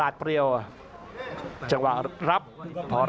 อัศวินาศาสตร์